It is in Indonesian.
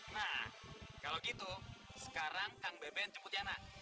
nah kalau gitu sekarang kang beben jemput yana